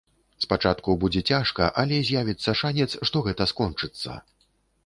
Спачатку будзе цяжка, але з'явіцца шанец, што гэта скончыцца.